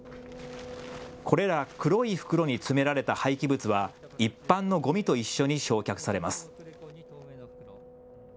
これら黒い袋に詰められた廃棄物は一般のごみと一緒に焼却されます。